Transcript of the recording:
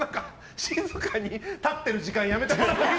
静かに立ってる時間やめてください。